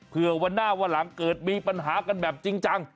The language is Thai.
เพื่อวันหน้าวันหลังเกิดมีปัญหากันแบบจริงจัง